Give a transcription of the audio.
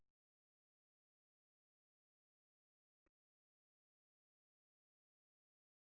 โปรดติดตามต่อไป